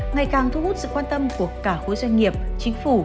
ngày càng thu hút sự quan tâm của cả khối doanh nghiệp chính phủ